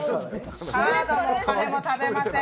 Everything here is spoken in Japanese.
カードもお金も食べません。